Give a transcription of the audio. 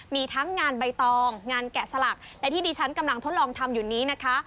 มีทั้งงานใบตองงานแกะสลักและที่ดิฉันกำลังทดลองทำอยู่นี้นะคะ